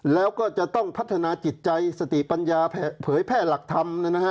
แล้วก็จะต้องพัฒนาจิตใจสติปัญญาเผยแพร่หลักธรรม